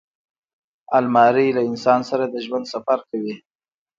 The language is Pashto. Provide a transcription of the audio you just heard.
الماري له انسان سره د ژوند سفر کوي